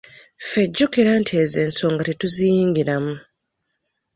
Ffe jjukira nti ezo ensoga tetuziyingiramu.